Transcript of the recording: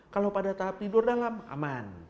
kalau pada tahap tidur dalam aman